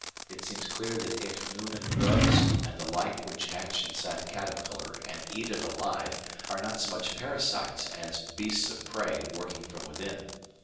It seems clear that ichneumon grubs and the like which hatch inside a caterpillar and eat it alive are not so much parasites as "beasts of prey" working from within.